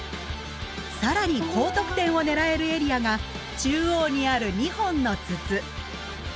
更に高得点を狙えるエリアが中央にある２本の筒。